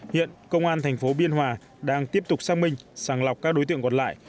hiện công an tp biên hòa đang tiếp tục sang minh sàng lọc các đối tượng còn lại